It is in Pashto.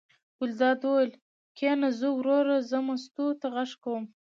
ګلداد وویل: کېنه زوروره زه مستو ته غږ کوم.